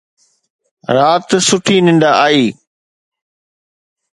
رات سٺي ننڊ آئي